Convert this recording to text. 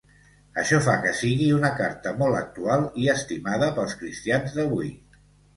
Això fa que sigui una carta molt actual i estimada pels cristians d'avui.